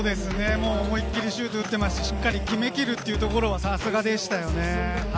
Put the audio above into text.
思い切りシュートを打って、しっかり決めきるというのは、さすがでしたよね。